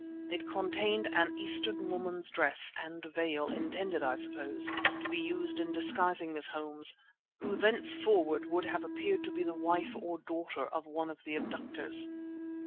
It contained an Eastern woman's dress and veil, intended, I suppose, to be used in disguising Miss Holmes, who thence forward would have appeared to be the wife or daughter of one of the abductors.